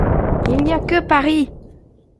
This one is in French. Il n'y a que Paris!